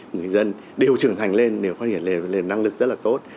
người dân đều trưởng thành lên nếu phát hiện lên năng lực rất là tốt